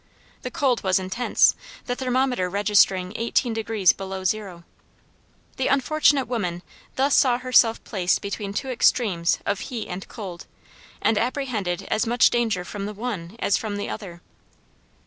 The cold was intense, the thermometer registering eighteen degrees below zero. The unfortunate woman thus saw herself placed between two extremes of heat and cold, and apprehended as much danger from the one as from the other.